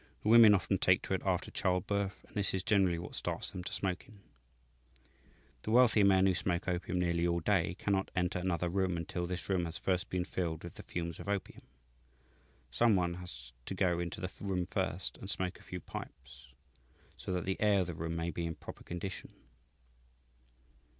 The women often take to it after childbirth, and this is generally what starts them to smoking. "The wealthier men who smoke opium nearly all day cannot enter another room until this room has first been filled with the fumes of opium. Some one has to go into the room first and smoke a few pipes, so that the air of the room may be in proper condition.